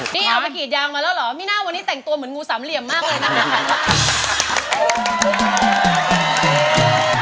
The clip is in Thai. นี่เอาไปกรีดยางมาแล้วเหรอมีน่าวันนี้แต่งตัวเหมือนงูสามเหลี่ยมมากเลยนะคะ